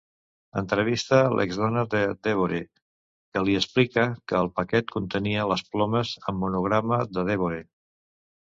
Entrevista l'ex-dona de Devore, que li explica que el paquet contenia les plomes amb monograma de Devore.